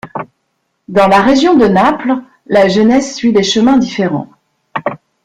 Dans la région de Naples, la jeunesse suit des chemins différents.